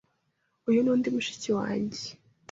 Uyu ni undi mushiki wanjye.